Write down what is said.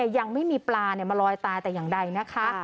ยังไม่มีปลามาลอยตายแต่อย่างใดนะคะ